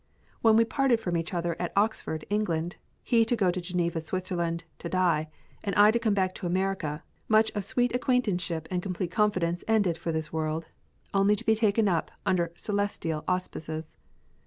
When we parted from each other at Oxford, England, he to go to Geneva, Switzerland, to die, and I to come back to America, much of sweet acquaintanceship and complete confidence ended for this world, only to be taken up under celestial auspices.